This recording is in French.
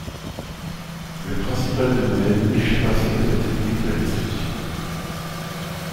Le principal de nous-mêmes échappe ainsi à la fatalité de la destruction.